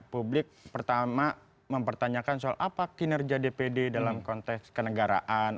publik pertama mempertanyakan soal apa kinerja dpd dalam konteks kenegaraan